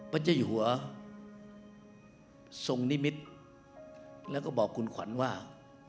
พระเจ้าอยู่หัวทรงนิมิตรแล้วก็บอกคุณขวัญว่า